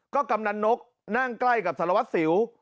ก็กำนันนกนั่งใกล้กับสารวัตรสิว